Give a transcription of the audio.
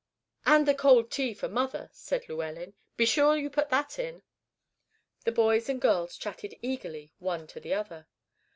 "And the cold tea for mother," said Llewellyn; "be sure you put that in." The boys and girls chatted eagerly one to the other.